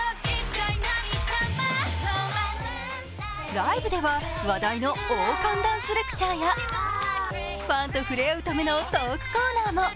ライブでは、話題の王冠ダンスレクチャーやファンと触れ合うためのトークコーナーも。